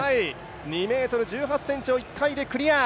２ｍ１８ｃｍを１回でクリア。